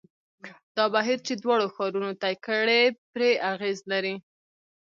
دا بهیر چې دواړو ښارونو طی کړې پرې اغېز لري.